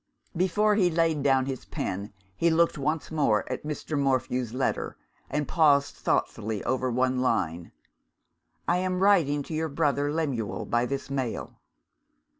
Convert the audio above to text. Before he laid down his pen, he looked once more at Mr. Morphew's letter, and paused thoughtfully over one line: "I am writing to your brother Lemuel by this mail."